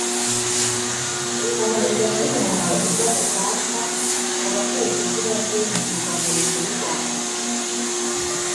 Anavuga ko uyu muhanzi ubwe adashaka abakoresha izina rye mu kurwanya Leta y’u Rwanda